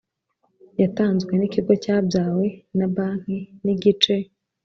Yatanzwe n ikigo cyabyawe na banki n igice